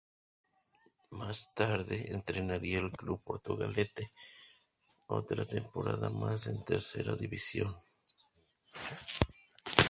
Más tarde, entrenaría al Club Portugalete, otra temporada más en Tercera división.